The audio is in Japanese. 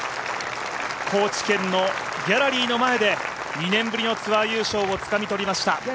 高知県のギャラリーの前で２年ぶりのツアー優勝をつかみ取りました。